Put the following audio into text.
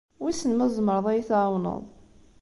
Wissen ma tzemreḍ ad iyi-tɛawneḍ.